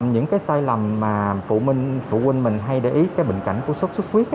những cái sai lầm mà phụ minh phụ huynh mình hay để ý cái bệnh cảnh của sốt sốt huyết á